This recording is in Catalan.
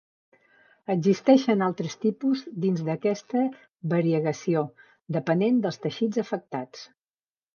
Existeixen altres tipus dins d'aquesta variegació, depenent dels teixits afectats.